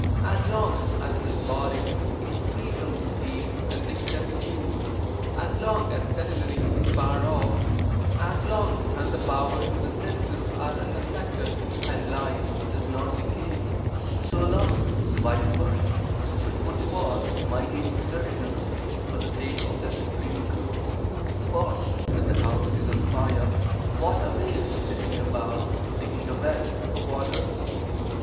As long as this body is free from disease and decrepitude, as long as senility is far off, as long as the powers of the senses are unaffected and life is not decaying, so long, wise persons should put forth mighty exertions for the sake of their supreme good, for when the house is on fire what avails setting about digging a well (for water)?